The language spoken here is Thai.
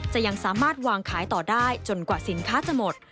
ยังสามารถวางขายต่อได้จนกว่าสินค้าจะหมด